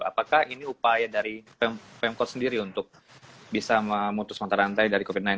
apakah ini upaya dari pemkot sendiri untuk bisa memutus mata rantai dari covid sembilan belas